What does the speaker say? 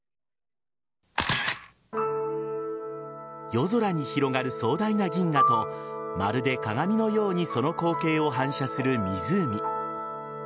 夜空に広がる壮大な銀河とまるで鏡のようにその光景を反射する湖。